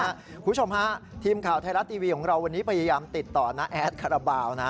คุณผู้ชมฮะทีมข่าวไทยรัฐทีวีของเราวันนี้พยายามติดต่อน้าแอดคาราบาลนะ